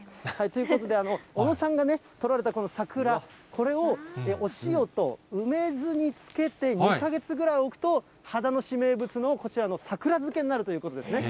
ということで、小野さんが取られたこの桜、これをお塩と梅酢に漬けて２か月ぐらい置くと、秦野市名物のこちらの桜漬けになるということですね。